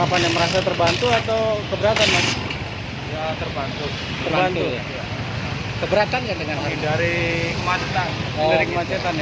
jalur alternatif ya kang ya